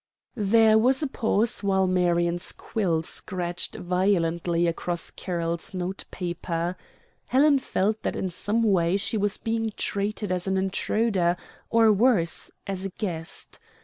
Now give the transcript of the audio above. There was a pause while Marion's quill scratched violently across Carroll's note paper. Helen felt that in some way she was being treated as an intruder; or worse, as a guest.